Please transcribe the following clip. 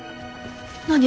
何？